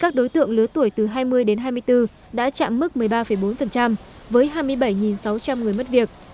giữa tuổi từ hai mươi đến hai mươi bốn đã chạm mức một mươi ba bốn với hai mươi bảy sáu trăm linh người mất việc